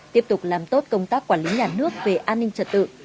tiếp tục làm tốt công tác quản lý nhà nước về an ninh trật tự